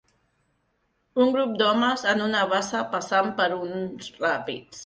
Un grup d'homes en una bassa passant per uns ràpids.